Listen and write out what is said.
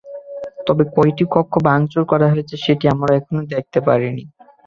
তবে কয়টি কক্ষ ভাঙচুর করা হয়েছে, সেটি আমরা এখনো দেখতে পারিনি।